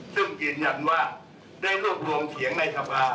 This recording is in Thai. ซึ่งกินยันว่าได้รูปรวงเฉียงในภาพ